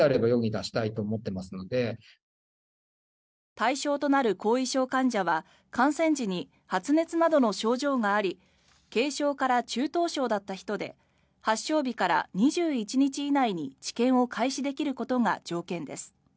対象となる後遺症患者は感染時に発熱などの症状があり軽症から中等症だった人で発症日から２１日以内に治験を開始できることが条件です。